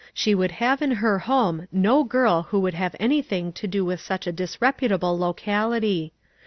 She would have in her home no girl who would have anything to do with such a dis reputable locality.